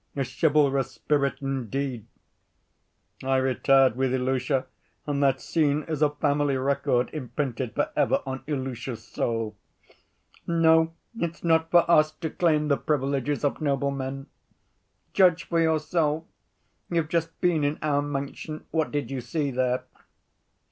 A chivalrous spirit indeed! I retired with Ilusha, and that scene is a family record imprinted for ever on Ilusha's soul. No, it's not for us to claim the privileges of noblemen. Judge for yourself. You've just been in our mansion, what did you see there?